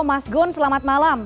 mas gun selamat malam